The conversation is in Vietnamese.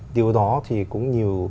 điều đó thì cũng nhiều